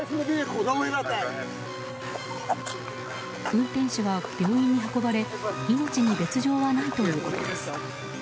運転手は病院に運ばれ命に別条はないということです。